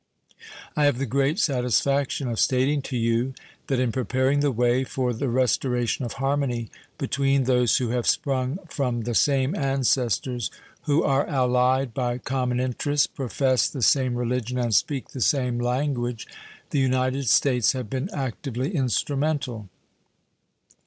I have the great satisfaction of stating to you that in preparing the way for the restoration of harmony between those who have sprung from the same ancestors, who are allied by common interests, profess the same religion, and speak the same language the United States have been actively instrumental.